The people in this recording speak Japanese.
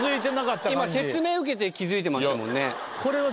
今説明受けて気付いてましたもんね